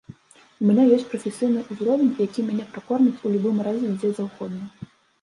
У мяне ёсць прафесійны ўзровень, які мяне пракорміць у любым разе дзе заўгодна.